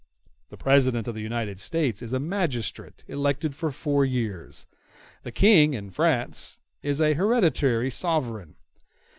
The President of the United States is a magistrate elected for four years; the King, in France, is an hereditary sovereign.